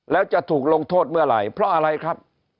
แล้วจะถูกลงโทษเมื่อไหร่เพราะอะไรครับ